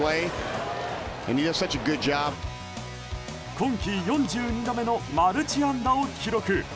今季４２度目のマルチ安打を記録。